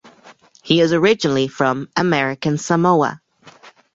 He is originally from American Samoa.